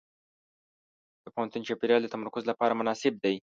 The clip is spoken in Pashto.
د پوهنتون چاپېریال د تمرکز لپاره مناسب دی.